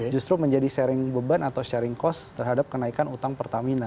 justru menjadi sharing beban atau sharing cost terhadap kenaikan utang pertamina